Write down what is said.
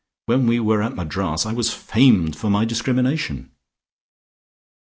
When we were at Madras I was famed for my discrimination."